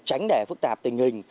tránh để phức tạp tình hình